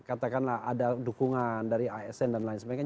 ada pertanyaan dari asn dan lain sebagainya